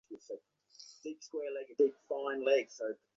সত্যিকারের ভালবাসার স্বপ্ন।